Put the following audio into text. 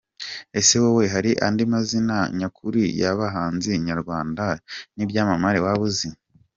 Ese wowe hari andi mazina nyakuri y'abahanzi nyarwanda n'ibyamamare waba uzi?.